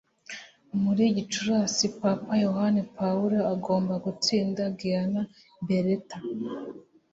Muri Gicurasi, Papa Yohani Pawulo agomba gutsinda Gianna Beretta